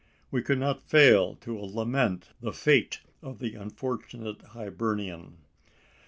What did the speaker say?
We could not fail to lament the fate of the unfortunate Hibernian.